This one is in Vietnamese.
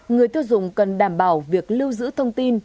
người tiêu dùng cần đảm bảo việc lưu giữ thông tin